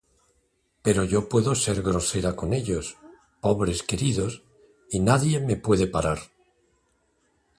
Pero yo puedo ser grosera con ellos, pobres queridos, y nadie me puede parar.